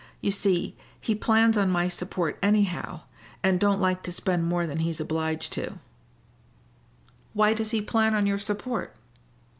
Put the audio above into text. You see, he plans on my support anyhow, and don't like to spend more than he's obliged to." "Why does he plan on your support?"